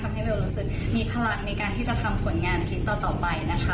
ทำให้เบลรู้สึกมีพลังในการที่จะทำผลงานชิ้นต่อไปนะคะ